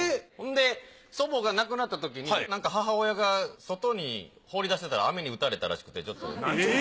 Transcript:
で祖母が亡くなったときに母親が外に放り出してたら雨に打たれたらしくてちょっと。